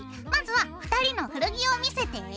まずは２人の古着を見せて！